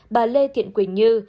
bà lê thiện quỳnh như